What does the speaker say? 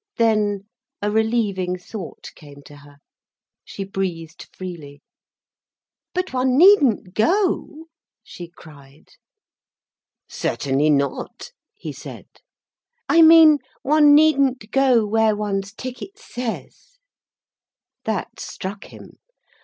Then a relieving thought came to her. She breathed freely. "But one needn't go," she cried. "Certainly not," he said. "I mean one needn't go where one's ticket says." That struck him.